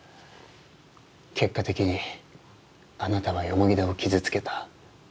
結果的にあなたは田を傷つけた。